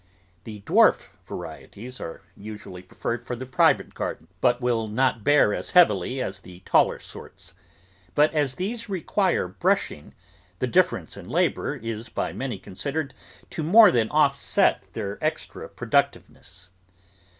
The dwarf varieties are usually preferred for the private garden, but will not bear as heavily as the taller sorts; but as these require brushing, the difference in labour is by many considered to more than offset their extra productiveness.